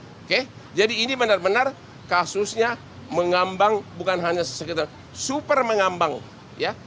oke jadi ini benar benar kasusnya mengambang bukan hanya sekedar super mengambang ya